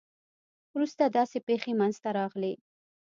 وروسته داسې پېښې منځته راغلې.